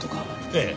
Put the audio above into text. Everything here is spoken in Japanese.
ええ。